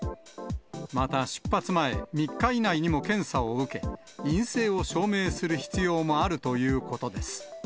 また、出発前３日以内にも検査を受け、陰性を証明する必要もあるということです。